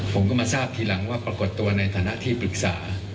ผมก็มาทราบทีหลังว่าปรากฏตัวในฐานะที่ปรึกษา